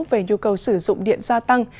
về nhu cầu sử dụng điện gia tăng